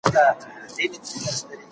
¬ خائن، خائف وي.